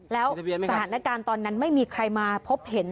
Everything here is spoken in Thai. แล้วสถานการณ์ตอนนั้นไม่มีใครมาพบเห็น